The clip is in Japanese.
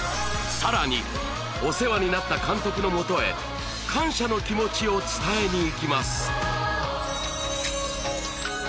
さらにお世話になった監督のもとへ感謝の気持ちを伝えに行きます